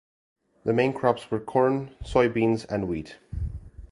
The main crops were corn, soybeans, and wheat.